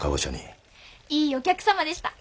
いいお客様でした。